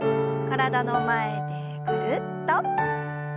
体の前でぐるっと。